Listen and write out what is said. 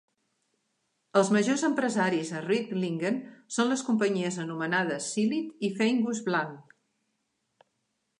Els majors empresaris a Riedlingen són les companyies anomenades "Silit" i "Feinguss Blank".